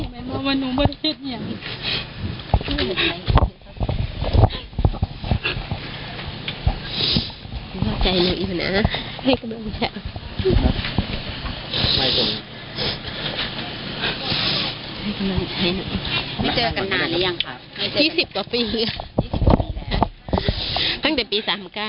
ไม่ได้เจอกัน๒๐กว่าปีตั้งแต่ปี๓๙